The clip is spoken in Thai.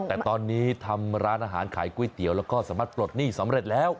แต่ตอนนี้ทำร้านอาหารขายก๋วยเตี๋ยวแล้วก็สามารถปลดหนี้สำเร็จแล้ว